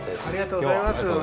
ありがとうございます。